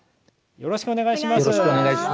よろしくお願いします。